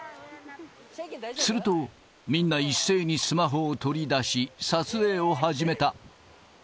すると、みんな一斉にスマホを取り出し、撮影を始めた。